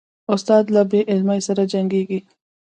استاد له بې علمۍ سره جنګیږي.